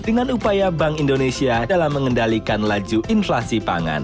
dengan upaya bank indonesia dalam mengendalikan laju inflasi pangan